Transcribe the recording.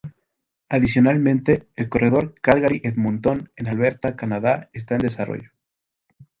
Adicionalmente, el corredor Calgary-Edmonton en Alberta, Canadá está en desarrollo.